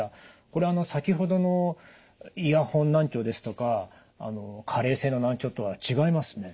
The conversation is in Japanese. これあの先ほどのイヤホン難聴ですとか加齢性の難聴とは違いますね。